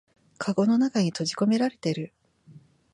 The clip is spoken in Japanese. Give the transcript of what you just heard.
かごの中に閉じこめられてる